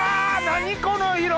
何この色！